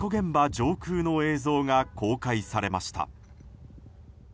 上空の映像が公開されました。